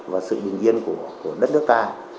và sự bình yên của đất nước ta